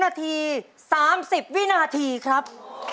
นาที๓๐วินาทีครับ